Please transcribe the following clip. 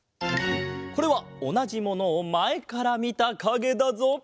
これはおなじものをまえからみたかげだぞ。